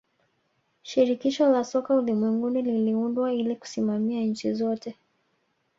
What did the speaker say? shirikisho la soka ulimwenguni liliundwa ili kusimamia nchi zote